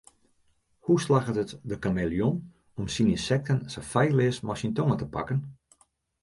Hoe slagget it de kameleon om ynsekten sa feilleas mei syn tonge te pakken?